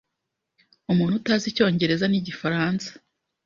umuntu utazi icyongereza n’igifaransa